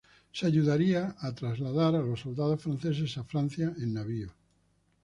Se ayudaría a trasladar a los soldados franceses a Francia en navíos.